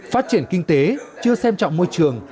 phát triển kinh tế chưa xem trọng môi trường